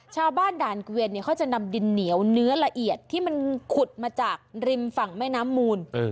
ชาวบ้านด่านเกวียนเนี่ยเขาจะนำดินเหนียวเนื้อละเอียดที่มันขุดมาจากริมฝั่งแม่น้ำมูล